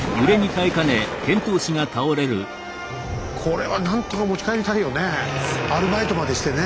これは何とか持ち帰りたいよね